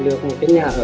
được một cái nhà hở